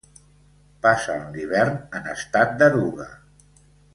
Passen l'hivern en estat d'eruga.